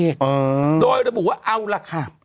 เดี๋ยวช่วงหน้าเขาเคลียร์ครับ